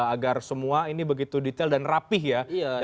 agar semua ini begitu detail dan rapih ya